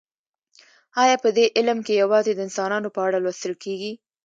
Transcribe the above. ایا په دې علم کې یوازې د انسانانو په اړه لوستل کیږي